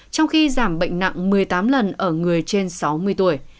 trong khi giảm bệnh nặng một mươi tám lần ở người trên sáu mươi tuổi